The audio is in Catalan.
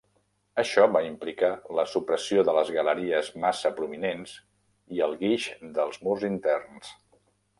Això va implicar la supressió de les galeries massa prominents i el guix dels murs interns.